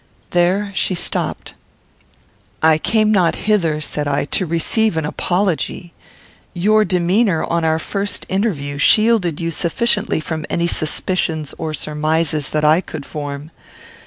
There she stopped. "I came not hither," said I, "to receive an apology. Your demeanour, on our first interview, shielded you sufficiently from any suspicions or surmises that I could form.